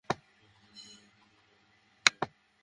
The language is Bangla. এটা শোনার জন্য তোদের পেছনে টাকা খরচ করি?